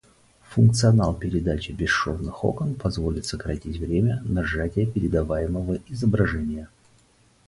Функционал передачи бесшовных окон позволит сократить время на сжатие передаваемого изображения